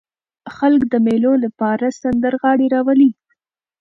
خلک د مېلو له پاره سندرغاړي راولي.